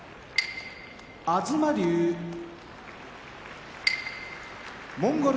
東龍モンゴル